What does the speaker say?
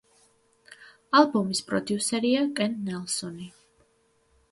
ალბომის პროდიუსერია კენ ნელსონი.